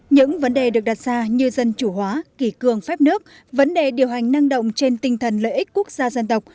những vấn đề được đặt ra như dân chủ hóa kỳ cường phép nước vấn đề điều hành năng động trên tinh thần lợi ích quốc gia dân tộc